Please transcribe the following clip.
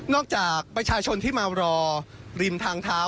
จากประชาชนที่มารอริมทางเท้า